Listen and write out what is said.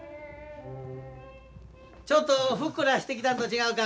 ちょっとふっくらしてきたんと違うか。